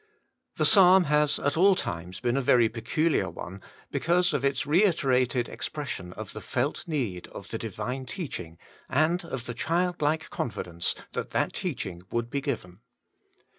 The psalm has at all times been a very peculiar one, because of its reiterated expression of the felt need of the Divine teaching, and of the childlike confidence that that teaching would be given.